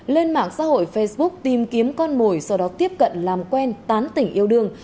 lên mạng xã hội facebook tìm kiếm con mồi sau đó tiếp cận làm quen tán tỉnh yêu đương